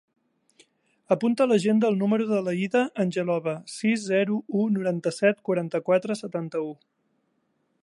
Apunta a l'agenda el número de l'Aïda Angelova: sis, zero, u, noranta-set, quaranta-quatre, setanta-u.